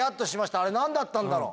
あれ何だったんだろう。